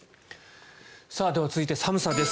では続いて寒さです。